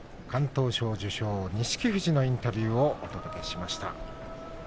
敢闘賞受賞、錦富士のインタビューをお届けしました。